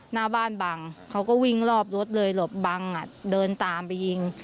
หน้าบ้านบังเขาก็วิ่งรอบรถเลยหลบบังอ่ะเดินตามไปยิง